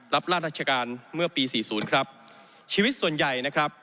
รับราชการเมื่อปีสี่ศูนย์ครับชีวิตส่วนใหญ่นะครับ